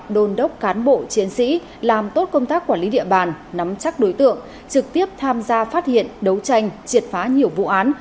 đồn đốc cán bộ chiến sĩ làm tốt công tác quản lý địa bàn nắm chắc đối tượng trực tiếp tham gia phát hiện đấu tranh triệt phá nhiều vụ án